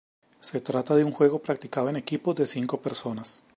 Se trata de un juego practicado en equipos de cinco personas.